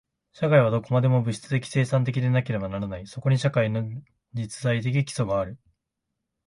社会はどこまでも物質的生産的でなければならない。そこに社会の実在的基礎がある。